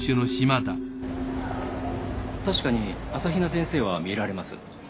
確かに朝比奈先生は見えられます。